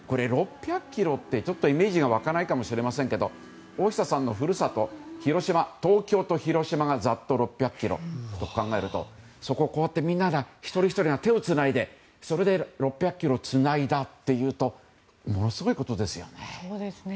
６００ｋｍってイメージが湧かないかもしれませんが大下さんの故郷・広島と東京がざっと６００ｋｍと考えるとそこをみんなで一人ひとりが手をつないで６００ｋｍをつないだというとものすごいことですよね。